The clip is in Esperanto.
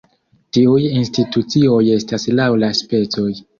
Tiuj institucioj estas laŭ la specoj.